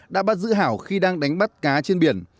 đã bắt giữ hảo khi đang đánh bắt cá trên biển